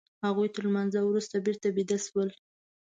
هغوی تر لمانځه وروسته بېرته بيده شول.